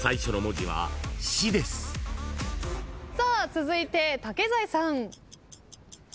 続いて竹財さん。